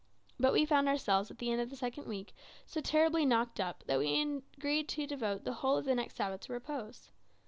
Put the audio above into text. But we found ourselves at the end of the second week so terribly knocked up that we agreed to devote the whole of the next Sabbath to repose.